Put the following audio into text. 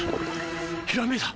ひらめいた！